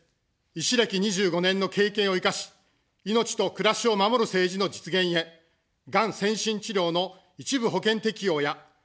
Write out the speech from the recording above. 医師歴２５年の経験を生かし、命と暮らしを守る政治の実現へ、がん先進治療の一部保険適用や認知症施策を推進。